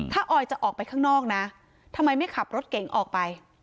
ถ้าออยจะออกไปข้างนอกนะทำไมไม่ขับรถเก๋งออกไป